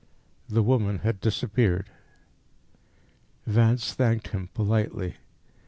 The woman had disappeared. Vance thanked him politely.